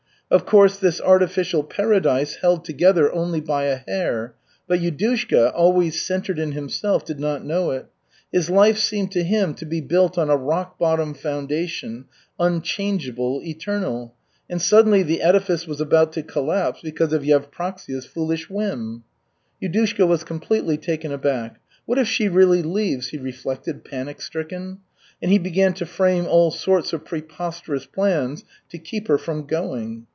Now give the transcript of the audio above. Of course, this artificial paradise held together only by a hair; but Yudushka, always centered in himself, did not know it. His life seemed to him to be built on a rock bottom foundation, unchangeable, eternal. And suddenly the edifice was about to collapse because of Yevpraksia's foolish whim. Yudushka was completely taken aback. "What if she really leaves?" he reflected panic stricken. And he began to frame all sorts of preposterous plans to keep her from going.